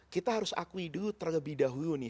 kita harus akui dulu terlebih dahulu nih